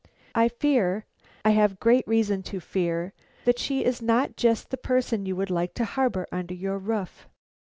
I fear I have great reason to fear that she is not just the person you would like to harbor under your roof."